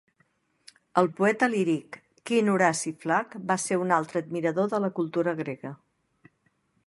El poeta líric Quint Horaci Flac va ser un altre admirador de la cultura grega.